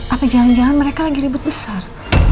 apa jangan jangan mereka lagi ribut besar